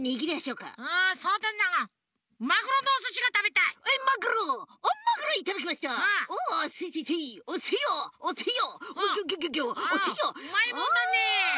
うまいもんだねえ。